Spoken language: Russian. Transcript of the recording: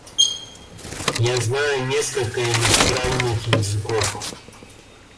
Я знаю несколько иностранных языков.